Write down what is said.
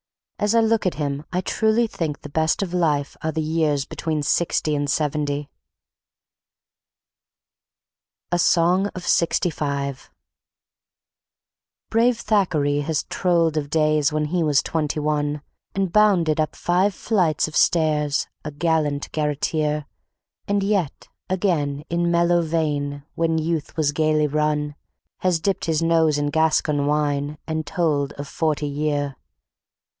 As I look at him I truly think the best of life are the years between sixty and seventy. A Song of Sixty Five Brave Thackeray has trolled of days when he was twenty one, And bounded up five flights of stairs, a gallant garreteer; And yet again in mellow vein when youth was gaily run, Has dipped his nose in Gascon wine, and told of Forty Year.